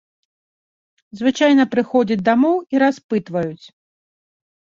Звычайна прыходзяць дамоў і распытваюць.